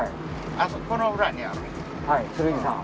あそこの裏にあるん。